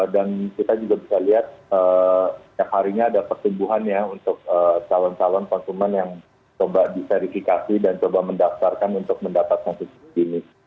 dan kita juga bisa lihat yang harinya ada pertumbuhannya untuk salon salon konsumen yang coba diserifikasi dan coba mendaftarkan untuk mendapatkan susu ini